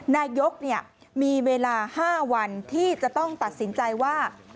นายกมีเวลา๕วันที่จะต้องตัดสินใจว่า